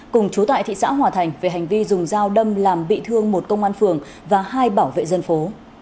cùng chú tại thị xã hòa thành về hành vi dùng dao đâm làm bị thương một công an phường và hai bảo vệ dân phố